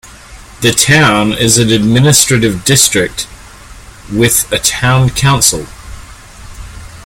The town is an administrative district, with a Town Council.